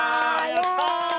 やったー！